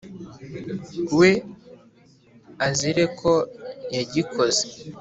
we azire ko yagikoze,